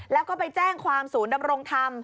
แล้วก็ไปแจ้งความศูนย์ดำรงธรรม